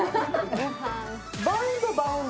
バウンド、バウンド。